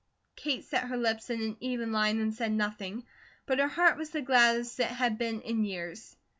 Kate set her lips in an even line and said nothing, but her heart was the gladdest it had been in years.